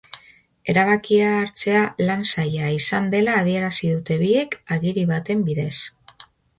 Erabakia hartzea lan zaila izan dela adierazi dute biek agiri baten bidez.